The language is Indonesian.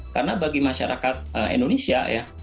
karena bagi masyarakat indonesia ya